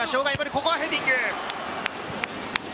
ここはヘディング。